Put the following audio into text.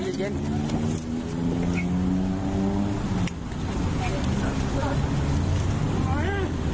เยี่ยมมากครับ